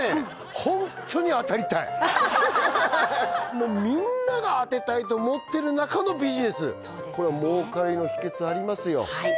ホントに当たりたいもうみんなが当てたいと思ってる中のビジネスこれは儲かりの秘訣ありますよ